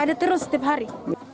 ada terus tiap hari